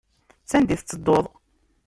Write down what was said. S anda i tettedduḍ?